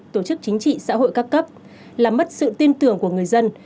tổ chức chính trị xã hội các cấp làm mất sự tin tưởng của người dân